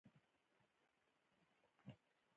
دلته ژلۍ ووري